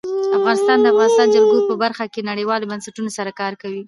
افغانستان د د افغانستان جلکو په برخه کې نړیوالو بنسټونو سره کار کوي.